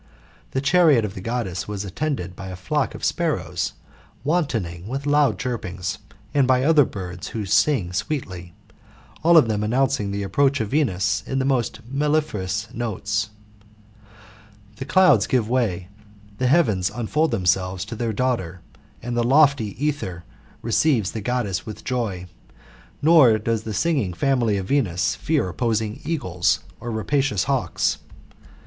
The chariot of the Goddess was attended by a flock of sparrows, wantoning with loud chirpings, and by other birds who sing sweetly; all of them announcing the approach of Venus in the most mellifluous notes. GOLDEN ASS, OF APULEIUS. — BOOK VI. 9I The clouds give ,way, tlie heavens unfold tiiemselves to their daughter, and the lofty aether receives the Goddess with joy ; nor does the singing family of Venus fear opposing eagles, or rapacious hawks.